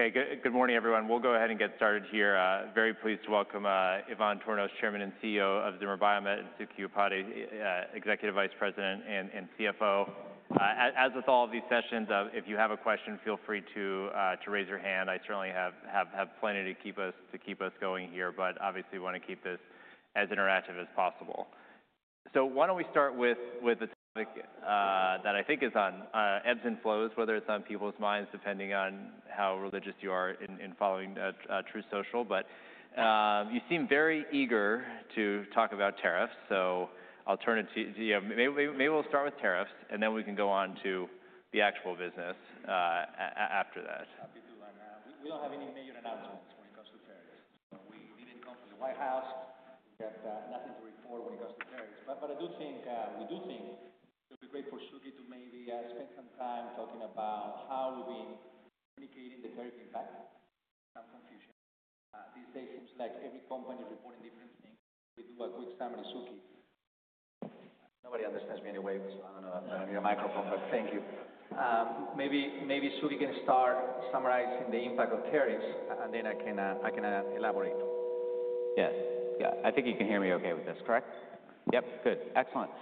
Okay, good morning, everyone. We'll go ahead and get started here. Very pleased to welcome Ivan Tornos, Chairman and CEO of Zimmer Biomet, Suky Upadhyay, Executive Vice President and CFO. As with all of these sessions, if you have a question, feel free to raise your hand. I certainly have plenty to keep us going here, but obviously we want to keep this as interactive as possible. Why don't we start with the topic that I think is on ebbs and flows, whether it's on people's minds, depending on how religious you are in following true social. You seem very eager to talk about tariffs, so I'll turn it to you. Maybe we'll start with tariffs, and then we can go on to the actual business after that. Happy to. We do not have any major announcements when it comes to tariffs. We did not come to the White House to get nothing to report when it comes to tariffs. I do think, we do think it would be great for Suky to maybe spend some time talking about how we have been communicating the tariff impact. Some confusion. These days seems like every company is reporting different things. We do a quick summary, Suky. Nobody understands me anyway, so I do not know if I need a microphone, but thank you. Maybe Suky can start summarizing the impact of tariffs, and then I can elaborate. Yes. Yeah, I think you can hear me okay with this, correct? Yep, good. Excellent.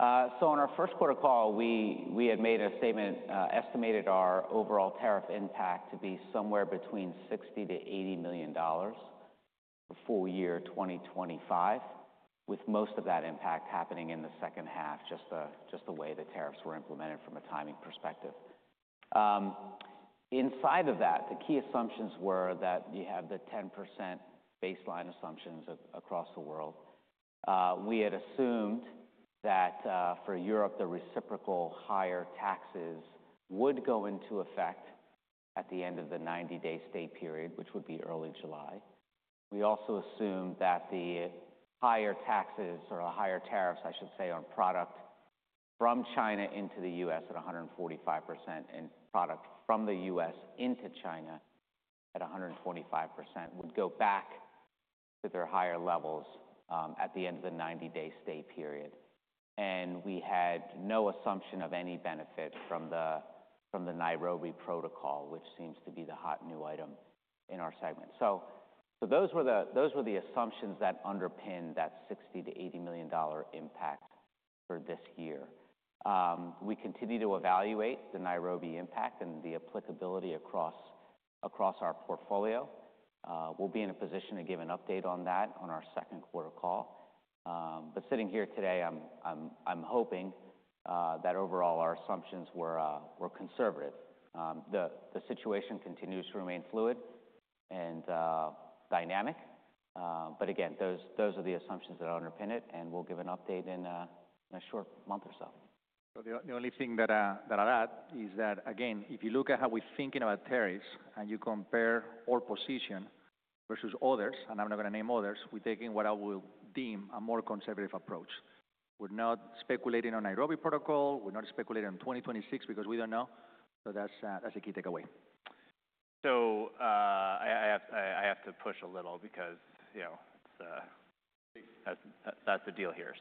On our first quarter call, we had made a statement, estimated our overall tariff impact to be somewhere between $60 million-$80 million for full year 2025, with most of that impact happening in the second half, just the way the tariffs were implemented from a timing perspective. Inside of that, the key assumptions were that you have the 10% baseline assumptions across the world. We had assumed that for Europe, the reciprocal higher taxes would go into effect at the end of the 90-day state period, which would be early July. We also assumed that the higher taxes, or higher tariffs, I should say, on product from China into the U.S. at 145%, and product from the U.S. into China at 125%, would go back to their higher levels at the end of the 90-day state period. We had no assumption of any benefit from the Nairobi Protocol, which seems to be the hot new item in our segment. Those were the assumptions that underpinned that $60 million-$80 million impact for this year. We continue to evaluate the Nairobi impact and the applicability across our portfolio. We will be in a position to give an update on that on our second quarter call. Sitting here today, I am hoping that overall our assumptions were conservative. The situation continues to remain fluid and dynamic. Again, those are the assumptions that underpin it, and we'll give an update in a short month or so. The only thing that I'll add is that, again, if you look at how we're thinking about tariffs and you compare our position versus others, and I'm not going to name others, we're taking what I will deem a more conservative approach. We're not speculating on the Nairobi Protocol. We're not speculating on 2026 because we don't know. That is a key takeaway. I have to push a little because that's the deal here.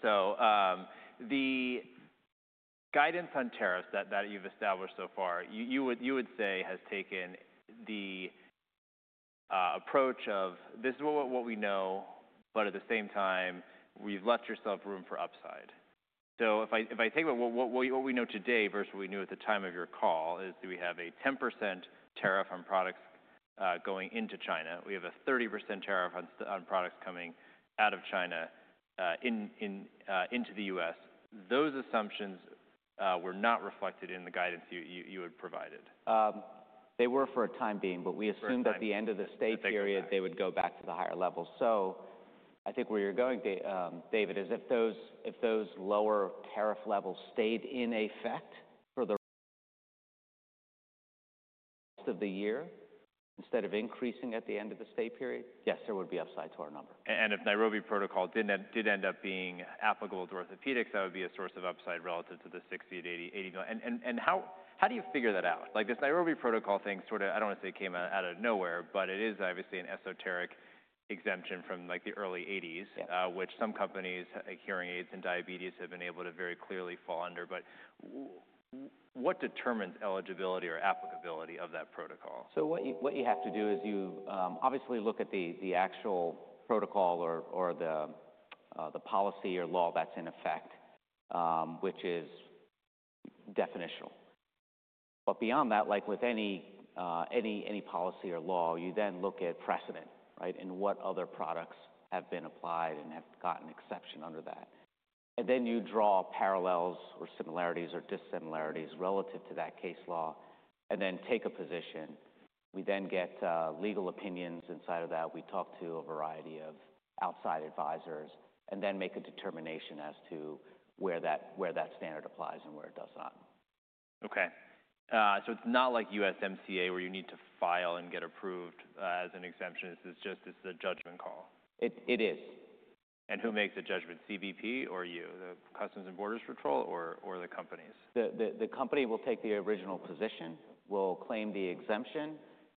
The guidance on tariffs that you've established so far, you would say, has taken the approach of, "This is what we know, but at the same time, we've left yourself room for upside." If I take what we know today versus what we knew at the time of your call is that we have a 10% tariff on products going into China. We have a 30% tariff on products coming out of China into the U.S. Those assumptions were not reflected in the guidance you had provided. They were for a time being, but we assumed at the end of the state period they would go back to the higher levels. I think where you're going, David, is if those lower tariff levels stayed in effect for the rest of the year instead of increasing at the end of the state period, yes, there would be upside to our number. If the Nairobi Protocol did end up being applicable to orthopedics, that would be a source of upside relative to the $60 million-$80 million. How do you figure that out? This Nairobi Protocol thing, sort of, I do not want to say it came out of nowhere, but it is obviously an esoteric exemption from the early 1980s, which some companies, like hearing aids and diabetes, have been able to very clearly fall under. What determines eligibility or applicability of that protocol? What you have to do is you obviously look at the actual protocol or the policy or law that's in effect, which is definitional. Beyond that, like with any policy or law, you then look at precedent, right, and what other products have been applied and have gotten exception under that. You draw parallels or similarities or dissimilarities relative to that case law and then take a position. We then get legal opinions inside of that. We talk to a variety of outside advisors and then make a determination as to where that standard applies and where it does not. Okay. So it's not like USMCA where you need to file and get approved as an exemption. It's just a judgment call. It is. Who makes the judgment? CBP or you, the Customs and Border Protection, or the companies? The company will take the original position, will claim the exemption,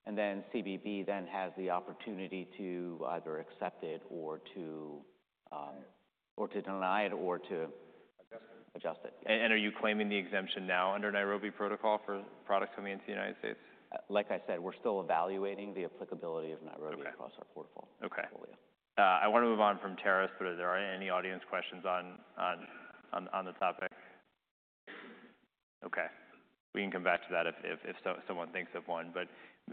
and then CBP then has the opportunity to either accept it or to deny it or to adjust it. Are you claiming the exemption now under Nairobi Protocol for products coming into the United States? Like I said, we're still evaluating the applicability of Nairobi across our portfolio. Okay. I want to move on from tariffs, but are there any audience questions on the topic? Okay. We can come back to that if someone thinks of one.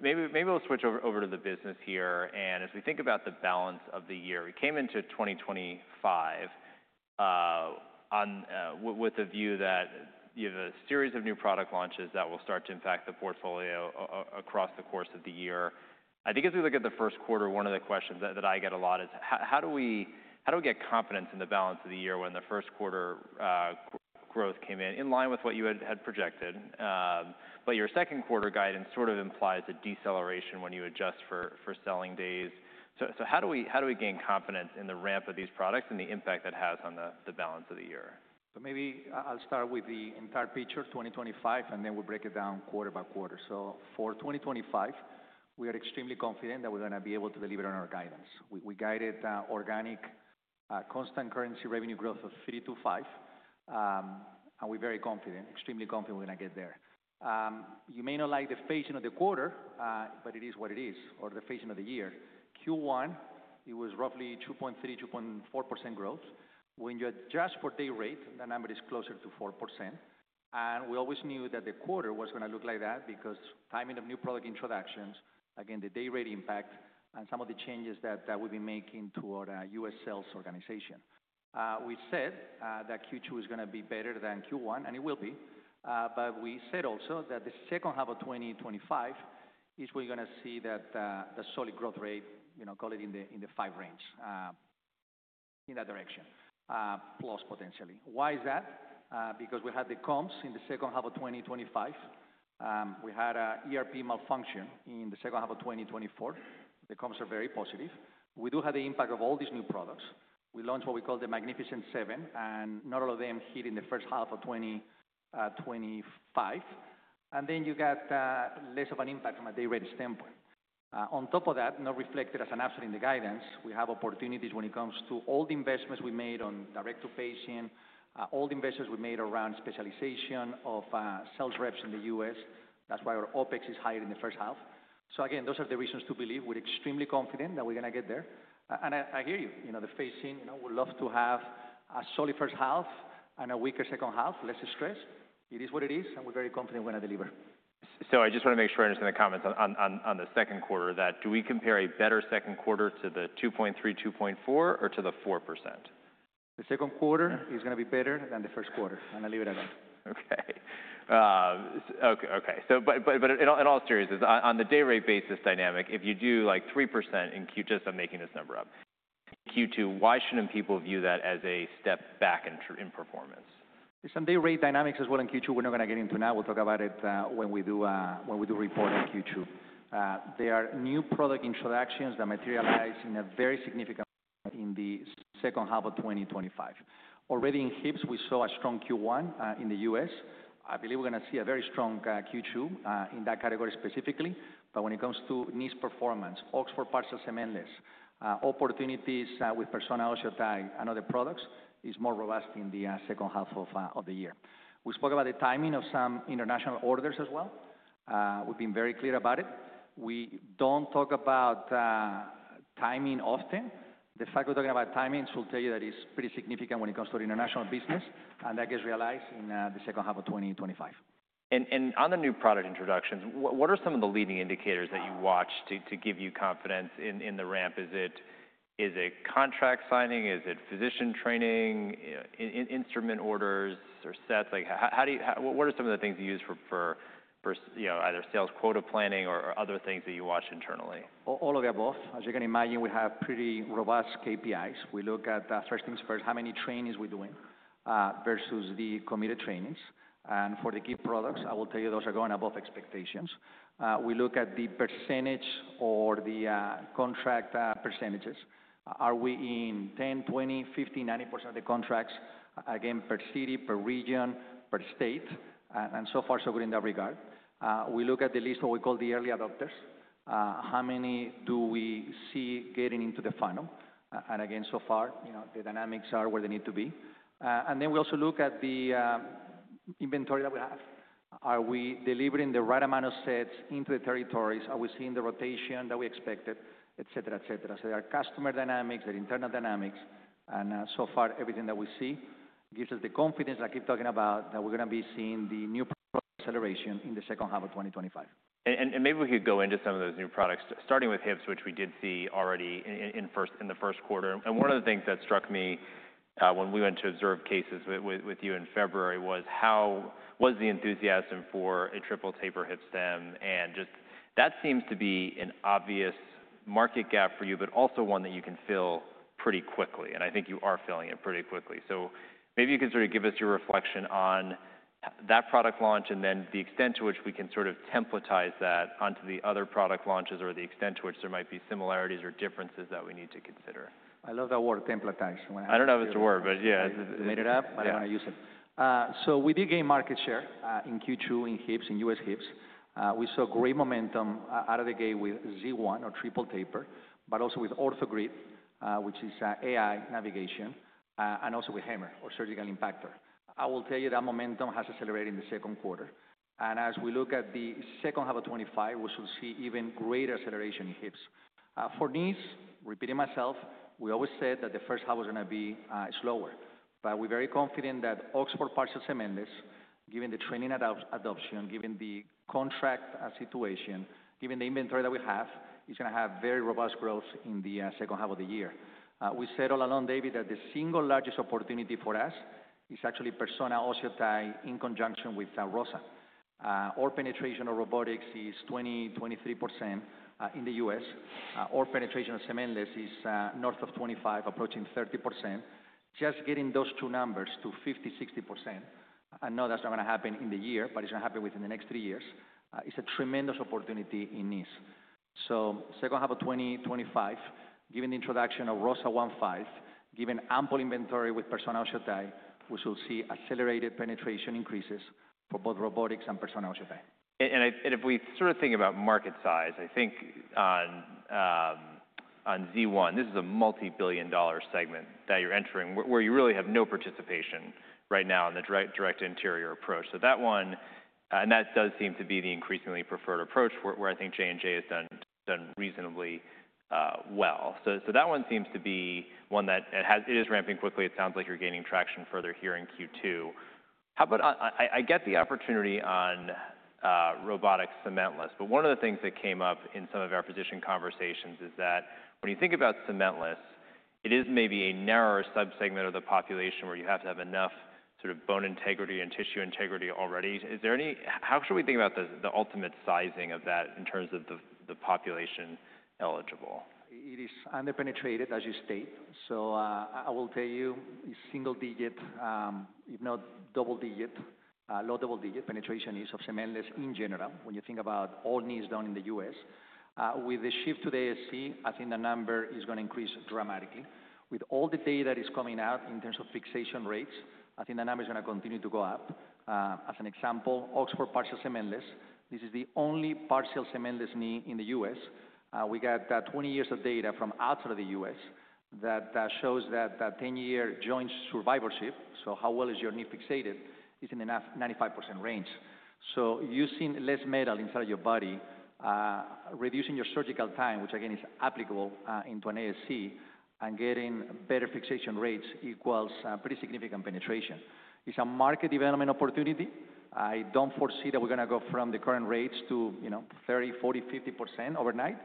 Maybe we'll switch over to the business here. As we think about the balance of the year, we came into 2025 with a view that you have a series of new product launches that will start to impact the portfolio across the course of the year. I think as we look at the first quarter, one of the questions that I get a lot is, how do we get confidence in the balance of the year when the first quarter growth came in, in line with what you had projected? Your second quarter guidance sort of implies a deceleration when you adjust for selling days. How do we gain confidence in the ramp of these products and the impact that has on the balance of the year? Maybe I'll start with the entire picture, 2025, and then we'll break it down quarter by quarter. For 2025, we are extremely confident that we're going to be able to deliver on our guidance. We guided organic constant currency revenue growth of 3%-5%, and we're very confident, extremely confident we're going to get there. You may not like the phasing of the quarter, but it is what it is, or the phasing of the year. Q1, it was roughly 2.3%-2.4% growth. When you adjust for day rate, the number is closer to 4%. We always knew that the quarter was going to look like that because timing of new product introductions, again, the day rate impact, and some of the changes that we've been making to our U.S. sales organization. We said that Q2 is going to be better than Q1, and it will be. We said also that the second half of 2025 is we're going to see that the solid growth rate, you know, call it in the 5% range, in that direction, plus potentially. Why is that? Because we had the comps in the second half of 2025. We had ERP malfunction in the second half of 2024. The comps are very positive. We do have the impact of all these new products. We launched what we call the Magnificent Seven, and not all of them hit in the first half of 2025. You got less of an impact from a day rate standpoint. On top of that, not reflected as an absolute in the guidance, we have opportunities when it comes to all the investments we made on direct to patient, all the investments we made around specialization of sales reps in the U.S. That's why our OpEX is higher in the first half. Again, those are the reasons to believe we're extremely confident that we're going to get there. I hear you, you know, the phasing, you know, we'd love to have a solid first half and a weaker second half, less stress. It is what it is, and we're very confident we're going to deliver. I just want to make sure I understand the comments on the second quarter, that do we compare a better second quarter to the 2.3%, 2.4%, or to the 4%? The second quarter is going to be better than the first quarter. I'm going to leave it at that. Okay. Okay. In all seriousness, on the day rate basis dynamic, if you do like 3% in Q2, just I'm making this number up, in Q2, why shouldn't people view that as a step back in performance? It's on day rate dynamics as well in Q2. We're not going to get into now. We'll talk about it when we do report on Q2. There are new product introductions that materialize in a very significant way in the second half of 2025. Already in hips, we saw a strong Q1 in the U.S. I believe we're going to see a very strong Q2 in that category specifically. When it comes to niche performance, Oxford Partial Cementless, opportunities with Persona OsseoTi and other products is more robust in the second half of the year. We spoke about the timing of some international orders as well. We've been very clear about it. We don't talk about timing often. The fact we're talking about timing should tell you that it's pretty significant when it comes to international business, and that gets realized in the second half of 2025. On the new product introductions, what are some of the leading indicators that you watch to give you confidence in the ramp? Is it contract signing? Is it physician training, instrument orders, or sets? What are some of the things you use for either sales quota planning or other things that you watch internally? All of the above. As you can imagine, we have pretty robust KPIs. We look at first things first, how many trainings we are doing versus the committed trainings. For the key products, I will tell you those are going above expectations. We look at the percentage or the contract percentages. Are we in 10%, 20%, 50%, 90% of the contracts, per city, per region, per state? So far, so good in that regard. We look at the list of what we call the early adopters. How many do we see getting into the funnel? So far, you know, the dynamics are where they need to be. We also look at the inventory that we have. Are we delivering the right amount of sets into the territories? Are we seeing the rotation that we expected, et cetera, et cetera? There are customer dynamics, there are internal dynamics, and so far, everything that we see gives us the confidence I keep talking about that we're going to be seeing the new product acceleration in the second half of 2025. Maybe we could go into some of those new products, starting with hips, which we did see already in the first quarter. One of the things that struck me when we went to observe cases with you in February was the enthusiasm for a triple taper hip stem. That seems to be an obvious market gap for you, but also one that you can fill pretty quickly. I think you are filling it pretty quickly. Maybe you can sort of give us your reflection on that product launch and then the extent to which we can sort of templatize that onto the other product launches or the extent to which there might be similarities or differences that we need to consider. I love that word, templatize. I don't know if it's a word, but yeah. I made it up, but I'm going to use it. We did gain market share in Q2 in HIPS, in U.S. HIPS. We saw great momentum out of the gate with Z1 or triple taper, but also with OrthoGrid, which is AI navigation, and also with HAMMR or surgical impactor. I will tell you that momentum has accelerated in the second quarter. As we look at the second half of 2025, we should see even greater acceleration in HIPS. For niche, repeating myself, we always said that the first half was going to be slower. We are very confident that Oxford Partial Cementless, given the training adoption, given the contract situation, given the inventory that we have, is going to have very robust growth in the second half of the year. We said all along, David, that the single largest opportunity for us is actually Persona OsseoTi in conjunction with ROSA. Our penetration of robotics is 20%-23% in the U.S. Our penetration of cementless is north of 25%, approaching 30%. Just getting those two numbers to 50%-60%, I know that's not going to happen in the year, but it's going to happen within the next three years, is a tremendous opportunity in niche. Second half of 2025, given the introduction of ROSA 1.5, given ample inventory with Persona OsseoTi, we should see accelerated penetration increases for both robotics and Persona OsseoTi. If we sort of think about market size, I think on Z1, this is a multi-billion dollar segment that you're entering where you really have no participation right now in the direct anterior approach. That does seem to be the increasingly preferred approach where I think J&J has done reasonably well. That seems to be one that is ramping quickly. It sounds like you're gaining traction further here in Q2. How about the opportunity on robotics cementless, but one of the things that came up in some of our physician conversations is that when you think about cementless, it is maybe a narrower subsegment of the population where you have to have enough sort of bone integrity and tissue integrity already. Is there any, how should we think about the ultimate sizing of that in terms of the population eligible? It is underpenetrated, as you state. I will tell you, it's single digit, if not low double digit penetration of cementless in general when you think about all niches done in the U.S. With the shift to the ASC, I think the number is going to increase dramatically. With all the data that is coming out in terms of fixation rates, I think the number is going to continue to go up. As an example, Oxford Partial Cementless, this is the only partial cementless knee in the U.S. We got 20 years of data from outside of the U.S. that shows that 10-year joint survivorship, so how well is your knee fixated, is in the 95% range. Using less metal inside of your body, reducing your surgical time, which again is applicable into an ASC, and getting better fixation rates equals pretty significant penetration. It's a market development opportunity. I don't foresee that we're going to go from the current rates to, you know, 30%, 40%, 50% overnight.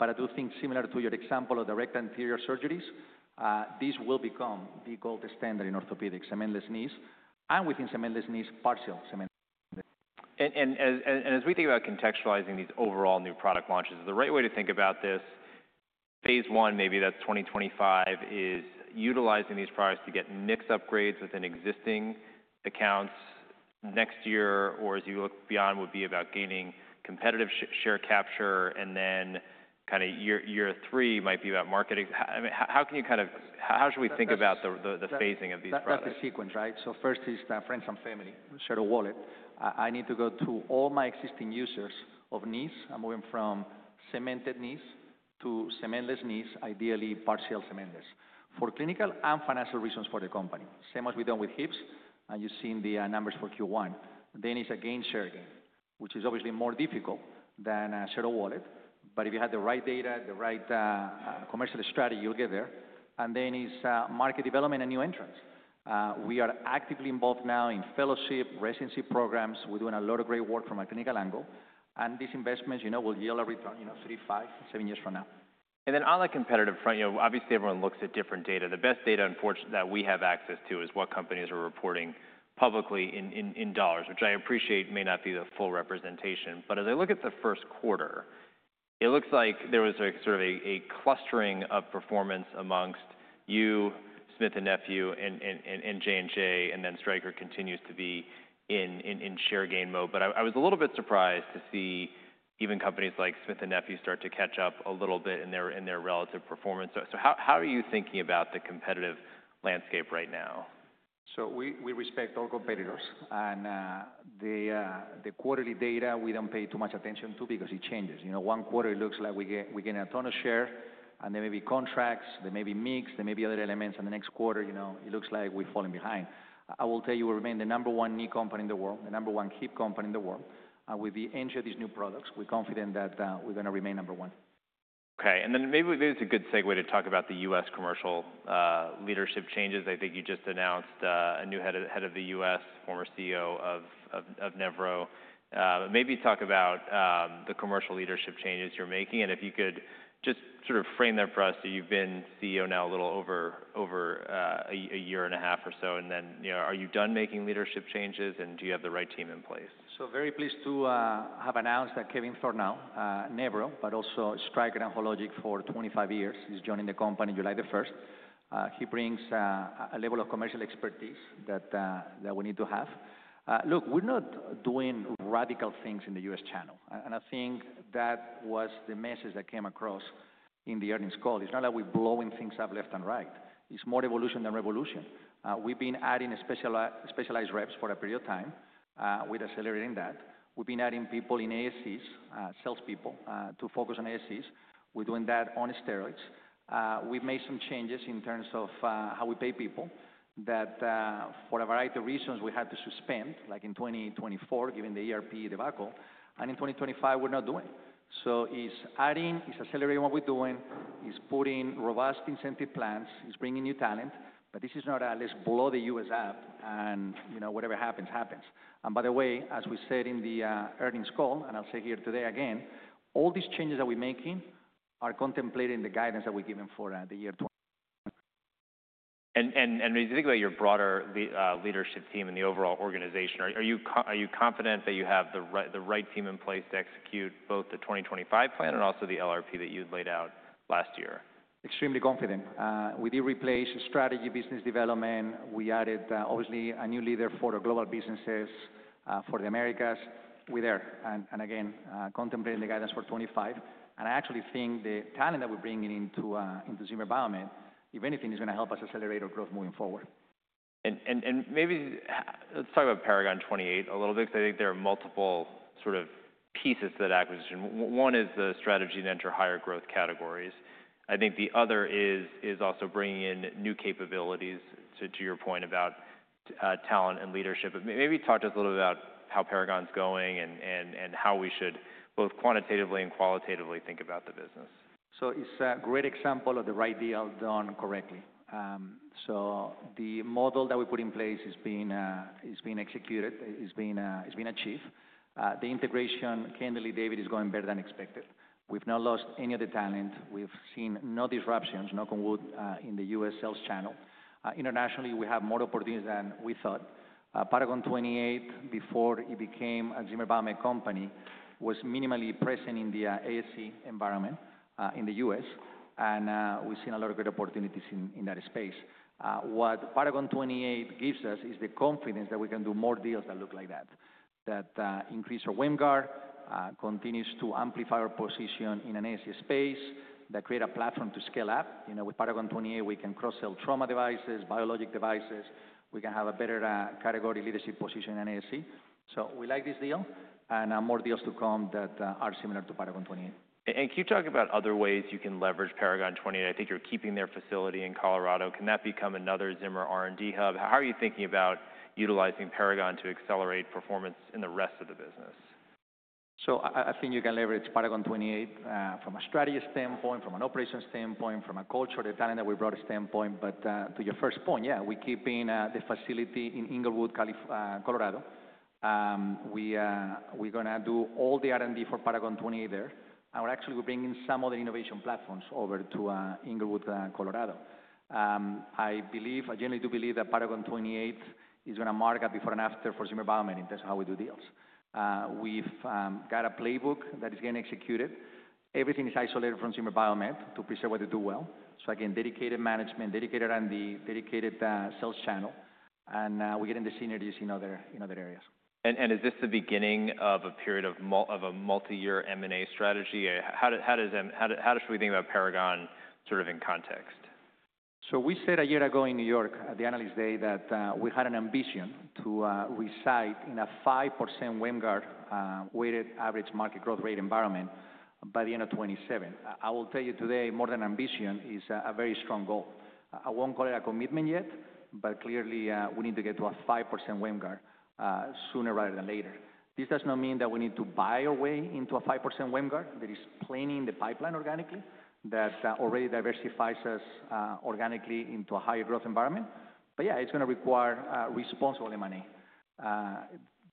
I do think similar to your example of direct anterior surgeries, this will become the gold standard in orthopedic cementless knees and within cementless knees, partial cementless. As we think about contextualizing these overall new product launches, the right way to think about this phase one, maybe that's 2025, is utilizing these products to get mixed upgrades within existing accounts next year, or as you look beyond, would be about gaining competitive share capture, and then kind of year three might be about marketing. How can you kind of, how should we think about the phasing of these products? That's the sequence, right? First is friends and family, share of wallet. I need to go to all my existing users of knees. I'm moving from cemented knees to cementless knees, ideally partial cementless. For clinical and financial reasons for the company, same as we've done with hips, and you've seen the numbers for Q1. It is a gain-share gain, which is obviously more difficult than share of wallet. If you have the right data, the right commercial strategy, you'll get there. It is market development and new entrants. We are actively involved now in fellowship, residency programs. We're doing a lot of great work from a clinical angle. These investments, you know, will yield a return, you know, three, five, seven years from now. On the competitive front, you know, obviously everyone looks at different data. The best data, unfortunately, that we have access to is what companies are reporting publicly in dollars, which I appreciate may not be the full representation. As I look at the first quarter, it looks like there was a sort of a clustering of performance amongst you, Smith & Nephew, and J&J, and then Stryker continues to be in share gain mode. I was a little bit surprised to see even companies like Smith & Nephew start to catch up a little bit in their relative performance. How are you thinking about the competitive landscape right now? We respect all competitors. The quarterly data, we do not pay too much attention to because it changes. You know, one quarter, it looks like we get a ton of share, and there may be contracts, there may be mix, there may be other elements, and the next quarter, you know, it looks like we are falling behind. I will tell you, we remain the number one knee company in the world, the number one hips company in the world. With the entry of these new products, we are confident that we are going to remain number one. Okay. And then maybe it's a good segue to talk about the US commercial leadership changes. I think you just announced a new head of the U.S., former CEO of Nevro. Maybe talk about the commercial leadership changes you're making. And if you could just sort of frame that for us. So you've been CEO now a little over a year and a half or so. And then, you know, are you done making leadership changes, and do you have the right team in place? Very pleased to have announced that Kevin Thornal, Nevro, but also Stryker and Hologic for 25 years, is joining the company July 1st. He brings a level of commercial expertise that we need to have. Look, we're not doing radical things in the U.S. channel. I think that was the message that came across in the earnings call. It's not like we're blowing things up left and right. It's more evolution than revolution. We've been adding specialized reps for a period of time. We're accelerating that. We've been adding people in ASCs, salespeople, to focus on ASCs. We're doing that on steroids. We've made some changes in terms of how we pay people that for a variety of reasons, we had to suspend, like in 2024, given the ERP debacle. In 2025, we're not doing it. It's adding, it's accelerating what we're doing, it's putting robust incentive plans, it's bringing new talent. This is not a, let's blow the U.S. up and, you know, whatever happens, happens. By the way, as we said in the earnings call, and I'll say here today again, all these changes that we're making are contemplating the guidance that we've given for the year. As you think about your broader leadership team and the overall organization, are you confident that you have the right team in place to execute both the 2025 plan and also the LRP that you'd laid out last year? Extremely confident. We did replace strategy, business development. We added, obviously, a new leader for the global businesses for the Americas. We're there. Again, contemplating the guidance for 2025. I actually think the talent that we're bringing into Zimmer Biomet, if anything, is going to help us accelerate our growth moving forward. Maybe let's talk about Paragon 28 a little bit, because I think there are multiple sort of pieces to that acquisition. One is the strategy to enter higher growth categories. I think the other is also bringing in new capabilities, to your point, about talent and leadership. Maybe talk to us a little bit about how Paragon's going and how we should both quantitatively and qualitatively think about the business. It's a great example of the right deal done correctly. The model that we put in place is being executed, is being achieved. The integration, candidly, David, is going better than expected. We've not lost any of the talent. We've seen no disruptions, no conglomerate in the U.S. sales channel. Internationally, we have more opportunities than we thought. Paragon 28, before it became a Zimmer Biomet company, was minimally present in the ASC environment in the U.S. We've seen a lot of great opportunities in that space. What Paragon 28 gives us is the confidence that we can do more deals that look like that, that increase our WAMG, continue to amplify our position in an ASC space, that create a platform to scale up. You know, with Paragon 28, we can cross-sell trauma devices, biologic devices. We can have a better category leadership position in an ASC. We like this deal and more deals to come that are similar to Paragon 28. Can you talk about other ways you can leverage Paragon 28? I think you're keeping their facility in Colorado. Can that become another Zimmer R&D hub? How are you thinking about utilizing Paragon to accelerate performance in the rest of the business? I think you can leverage Paragon 28 from a strategy standpoint, from an operation standpoint, from a culture, the talent that we brought standpoint. To your first point, yeah, we're keeping the facility in Inglewood, Colorado. We're going to do all the R&D for Paragon 28 there. Actually, we're bringing some of the innovation platforms over to Inglewood, Colorado. I believe, I generally do believe that Paragon 28 is going to mark a before and after for Zimmer Biomet in terms of how we do deals. We've got a playbook that is getting executed. Everything is isolated from Zimmer Biomet to preserve what they do well. Again, dedicated management, dedicated R&D, dedicated sales channel. We're getting the synergies in other areas. Is this the beginning of a period of a multi-year M&A strategy? How should we think about Paragon sort of in context? We said a year ago in New York at the analyst day that we had an ambition to reside in a 5% WAMG weighted average market growth rate environment by the end of 2027. I will tell you today, more than ambition, it is a very strong goal. I will not call it a commitment yet, but clearly we need to get to a 5% WAMG sooner rather than later. This does not mean that we need to buy our way into a 5% WAMG. There is plenty in the pipeline organically that already diversifies us organically into a higher growth environment. Yeah, it is going to require responsible M&A.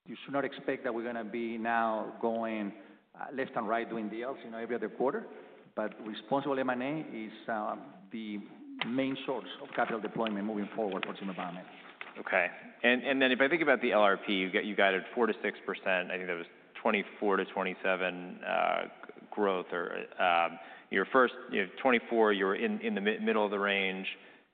You should not expect that we are going to be now going left and right doing deals, you know, every other quarter. Responsible M&A is the main source of capital deployment moving forward for Zimmer Biomet. Okay. If I think about the LRP, you guided 4%-6%, I think that was 24%-27% growth. Your first, you know, 24%, you're in the middle of the range.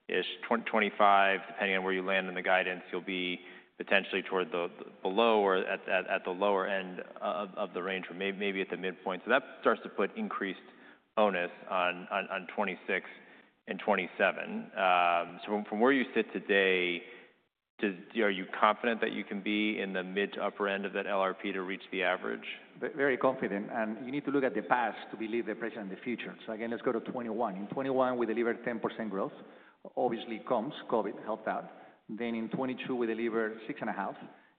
It's 25%, depending on where you land in the guidance, you'll be potentially toward the below or at the lower end of the range or maybe at the midpoint. That starts to put increased onus on 26% and 27%. From where you sit today, are you confident that you can be in the mid to upper end of that LRP to reach the average? Very confident. You need to look at the past to believe the present and the future. Again, let's go to 2021. In 2021, we delivered 10% growth. Obviously, COVID helped out. In 2022, we delivered 6.5%.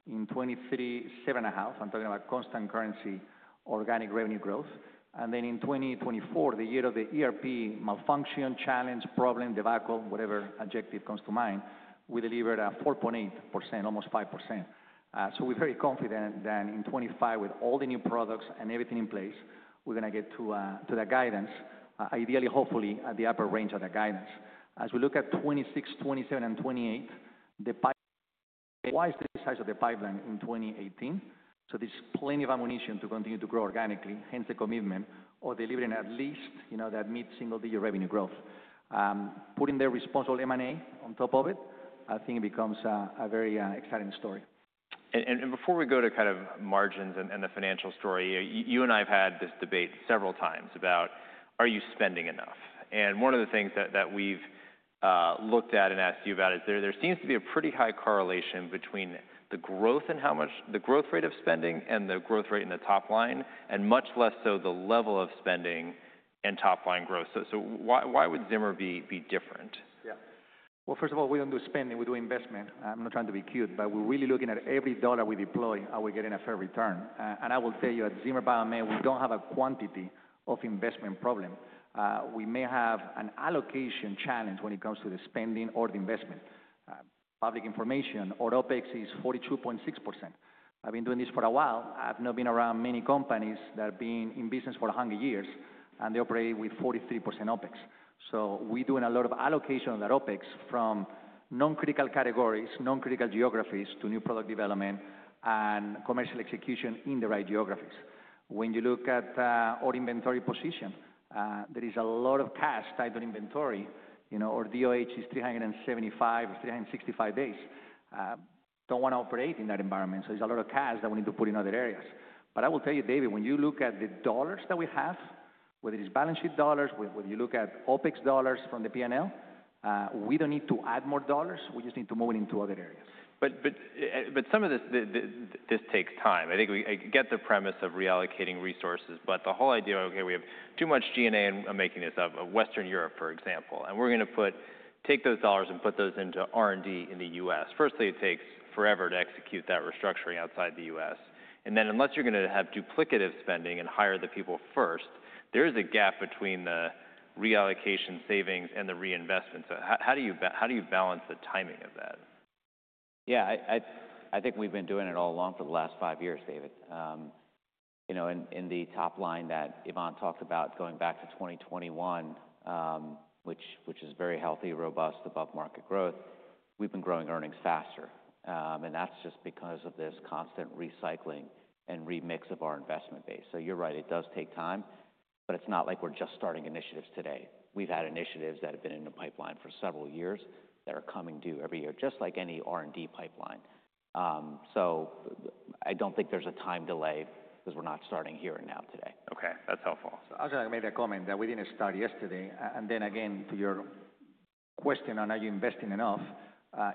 In 2023, 7.5%. I'm talking about constant currency organic revenue growth. In 2024, the year of the ERP malfunction, challenge, problem, debacle, whatever adjective comes to mind, we delivered 4.8%, almost 5%. We're very confident that in 2025, with all the new products and everything in place, we're going to get to that guidance, ideally, hopefully at the upper range of that guidance. As we look at 2026, 2027, and 2028, the pipeline wise to the size of the pipeline in 2018. There's plenty of ammunition to continue to grow organically, hence the commitment of delivering at least, you know, that mid single-digit revenue growth. Putting their responsible M&A on top of it, I think it becomes a very exciting story. Before we go to kind of margins and the financial story, you and I have had this debate several times about, are you spending enough? One of the things that we've looked at and asked you about is there seems to be a pretty high correlation between the growth and how much the growth rate of spending and the growth rate in the top line, and much less so the level of spending and top line growth. Why would Zimmer be different? Yeah. First of all, we do not do spending, we do investment. I am not trying to be cute, but we are really looking at every dollar we deploy, are we getting a fair return? I will tell you at Zimmer Biomet, we do not have a quantity of investment problem. We may have an allocation challenge when it comes to the spending or the investment. Public information or OpEx is 42.6%. I have been doing this for a while. I have not been around many companies that have been in business for 100 years, and they operate with 43% OpEx. We are doing a lot of allocation of that OpEx from non-critical categories, non-critical geographies to new product development and commercial execution in the right geographies. When you look at our inventory position, there is a lot of cash tied to inventory, you know, our DOH is 375 or 365 days. Don't want to operate in that environment. There is a lot of cash that we need to put in other areas. I will tell you, David, when you look at the dollars that we have, whether it's balance sheet dollars, whether you look at OpEx dollars from the P&L, we don't need to add more dollars. We just need to move it into other areas. Some of this takes time. I think we get the premise of reallocating resources, but the whole idea, okay, we have too much G&A, and I'm making this up, of Western Europe, for example. We're going to take those dollars and put those into R&D in the U.S. Firstly, it takes forever to execute that restructuring outside the U.S. Unless you're going to have duplicative spending and hire the people first, there is a gap between the reallocation savings and the reinvestment. How do you balance the timing of that? Yeah, I think we've been doing it all along for the last five years, David. You know, in the top line that Ivan talked about going back to 2021, which is very healthy, robust, above market growth, we've been growing earnings faster. And that's just because of this constant recycling and remix of our investment base. So you're right, it does take time, but it's not like we're just starting initiatives today. We've had initiatives that have been in the pipeline for several years that are coming due every year, just like any R&D pipeline. So I don't think there's a time delay because we're not starting here and now today. Okay, that's helpful. I'll just make that comment that we didn't start yesterday. To your question on are you investing enough,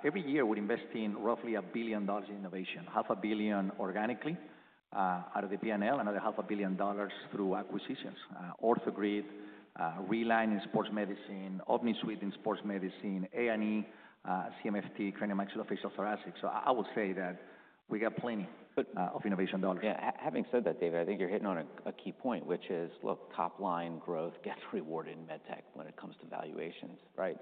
every year we're investing roughly $1 billion in innovation, $500 million organically out of the P&L, another $500 million through acquisitions, OrthoGrid, RELINE in sports medicine, Omnisuite in sports medicine, A&E, CMFT, cranial, maxillary, facial, thoracic. I will say that we got plenty of innovation dollars. Yeah, having said that, David, I think you're hitting on a key point, which is, look, top line growth gets rewarded in med tech when it comes to valuations, right?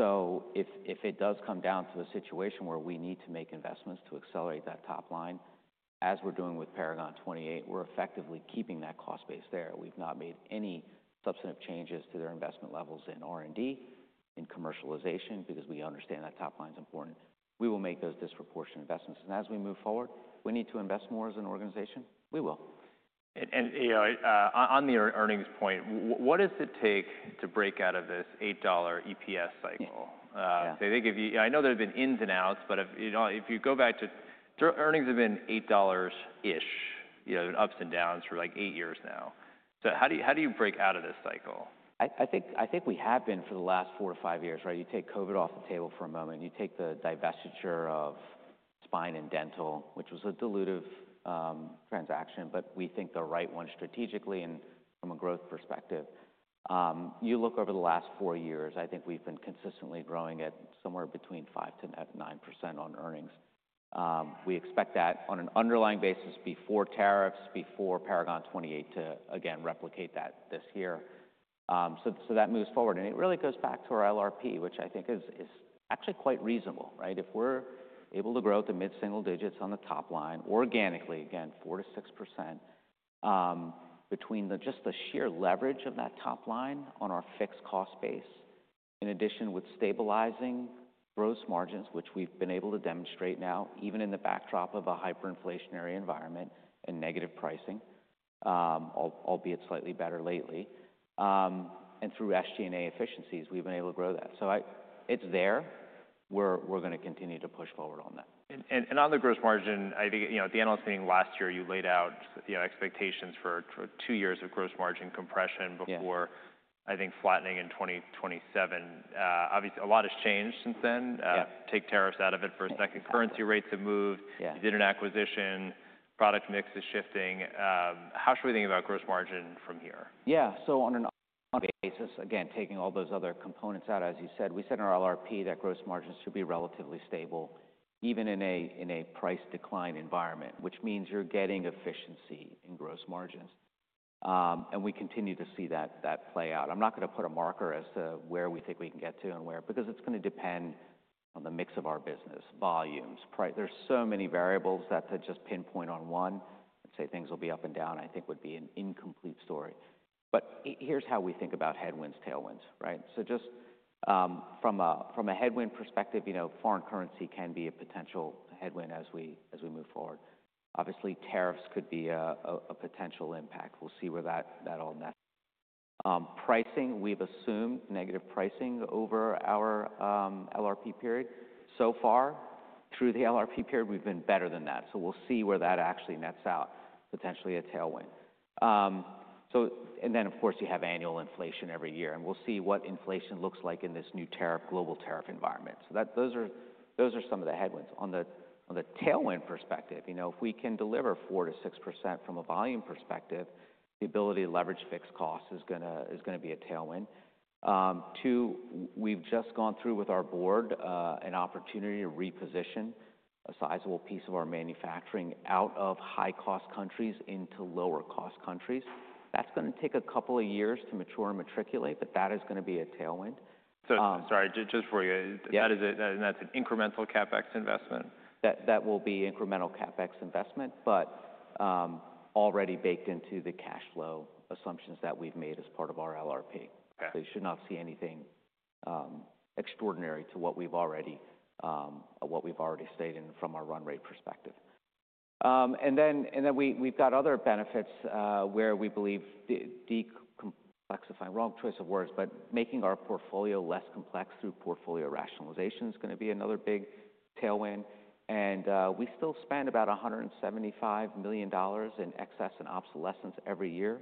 If it does come down to a situation where we need to make investments to accelerate that top line, as we're doing with Paragon 28, we're effectively keeping that cost base there. We've not made any substantive changes to their investment levels in R&D, in commercialization, because we understand that top line's important. We will make those disproportionate investments. As we move forward, we need to invest more as an organization. We will. On the earnings point, what does it take to break out of this $8 EPS cycle? I think if you, I know there have been ins and outs, but if you go back to earnings have been $8-ish, you know, ups and downs for like eight years now. How do you break out of this cycle? I think we have been for the last four to five years, right? You take COVID off the table for a moment. You take the divestiture of spine and dental, which was a dilutive transaction, but we think the right one strategically and from a growth perspective. You look over the last four years, I think we've been consistently growing at somewhere between 5%-9% on earnings. We expect that on an underlying basis before tariffs, before Paragon 28 to again replicate that this year. That moves forward. It really goes back to our LRP, which I think is actually quite reasonable, right? If we're able to grow at the mid-single digits on the top line organically, again, 4%-6% between just the sheer leverage of that top line on our fixed cost base, in addition with stabilizing gross margins, which we've been able to demonstrate now, even in the backdrop of a hyperinflationary environment and negative pricing, albeit slightly better lately. Through SG&A efficiencies, we've been able to grow that. It's there. We're going to continue to push forward on that. On the gross margin, I think, you know, at the analyst meeting last year, you laid out expectations for two years of gross margin compression before, I think, flattening in 2027. Obviously, a lot has changed since then. Take tariffs out of it for a second. Currency rates have moved. You did an acquisition. Product mix is shifting. How should we think about gross margin from here? Yeah, so on a basis, again, taking all those other components out, as you said, we said in our LRP that gross margins should be relatively stable, even in a price decline environment, which means you're getting efficiency in gross margins. And we continue to see that play out. I'm not going to put a marker as to where we think we can get to and where, because it's going to depend on the mix of our business, volumes. There's so many variables that to just pinpoint on one and say things will be up and down, I think would be an incomplete story. But here's how we think about headwinds, tailwinds, right? So just from a headwind perspective, you know, foreign currency can be a potential headwind as we move forward. Obviously, tariffs could be a potential impact. We'll see where that all nets. Pricing, we've assumed negative pricing over our LRP period. So far, through the LRP period, we've been better than that. We'll see where that actually nets out, potentially a tailwind. Of course, you have annual inflation every year, and we'll see what inflation looks like in this new global tariff environment. Those are some of the headwinds. On the tailwind perspective, you know, if we can deliver 4%-6% from a volume perspective, the ability to leverage fixed costs is going to be a tailwind. Two, we've just gone through with our board an opportunity to reposition a sizable piece of our manufacturing out of high-cost countries into lower-cost countries. That's going to take a couple of years to mature and matriculate, but that is going to be a tailwind. Sorry, just before you, that is an incremental CapEx investment? That will be incremental CapEx investment, but already baked into the cash flow assumptions that we've made as part of our LRP. You should not see anything extraordinary to what we've already, what we've already stated in from our run rate perspective. We have other benefits where we believe decomplexifying, wrong choice of words, but making our portfolio less complex through portfolio rationalization is going to be another big tailwind. We still spend about $175 million in excess and obsolescence every year.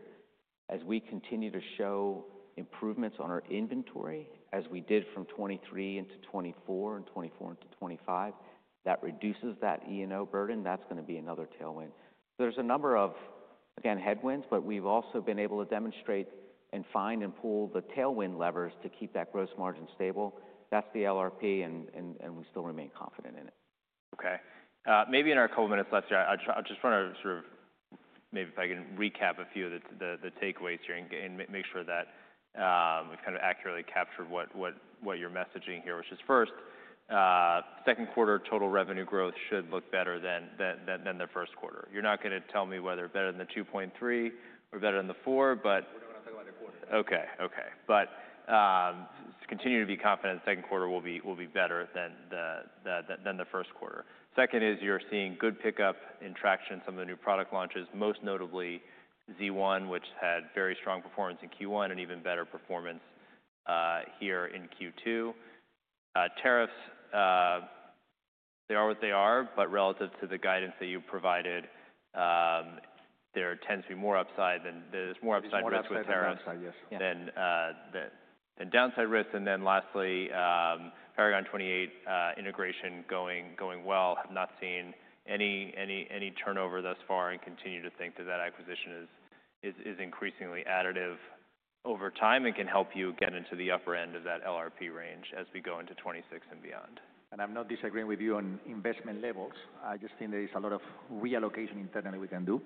As we continue to show improvements on our inventory, as we did from 2023 into 2024 and 2024 into 2025, that reduces that E&O burden. That is going to be another tailwind. There are a number of, again, headwinds, but we've also been able to demonstrate and find and pull the tailwind levers to keep that gross margin stable. That's the LRP, and we still remain confident in it. Okay. Maybe in our couple of minutes left, I just want to sort of maybe if I can recap a few of the takeaways here and make sure that we've kind of accurately captured what you're messaging here, which is first, second quarter total revenue growth should look better than the first quarter. You're not going to tell me whether better than the 2.3% or better than the 4%, but. We're not going to talk about the quarter. Okay, okay. Continue to be confident the second quarter will be better than the first quarter. Second is you're seeing good pickup in traction, some of the new product launches, most notably Z1, which had very strong performance in Q1 and even better performance here in Q2. Tariffs, they are what they are, but relative to the guidance that you provided, there tends to be more upside than there's more upside risk with tariffs than downside risk. Lastly, Paragon 28 integration going well, have not seen any turnover thus far and continue to think that that acquisition is increasingly additive over time and can help you get into the upper end of that LRP range as we go into 2026 and beyond. I'm not disagreeing with you on investment levels. I just think there is a lot of reallocation internally we can do.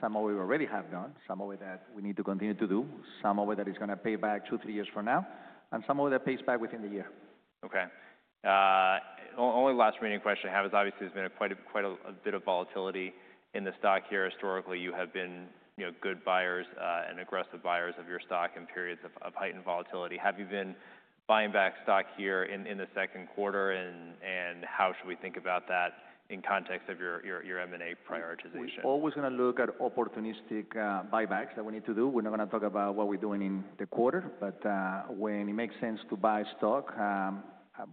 Some of it we already have done, some of it that we need to continue to do, some of it that is going to pay back two, three years from now, and some of it that pays back within the year. Okay. Only last remaining question I have is obviously there's been quite a bit of volatility in the stock here. Historically, you have been good buyers and aggressive buyers of your stock in periods of heightened volatility. Have you been buying back stock here in the second quarter and how should we think about that in context of your M&A prioritization? We're always going to look at opportunistic buybacks that we need to do. We're not going to talk about what we're doing in the quarter, but when it makes sense to buy stock,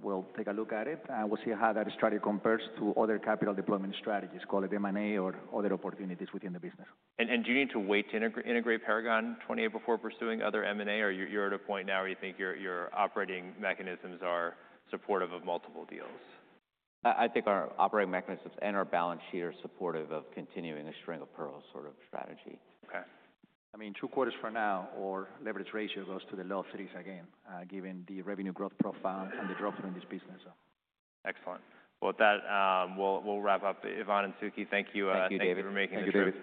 we'll take a look at it and we'll see how that strategy compares to other capital deployment strategies, call it M&A or other opportunities within the business. Do you need to wait to integrate Paragon 28 before pursuing other M&A or are you at a point now where you think your operating mechanisms are supportive of multiple deals? I think our operating mechanisms and our balance sheet are supportive of continuing a string of pearls sort of strategy. Okay. I mean, two quarters from now, our leverage ratio goes to the low 3s again, given the revenue growth profile and the growth in this business. Excellent. With that, we'll wrap up. Ivan and Suky, thank you. Thank you, David. Thank you.